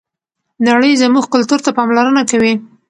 نړۍ زموږ کلتور ته پاملرنه کوي.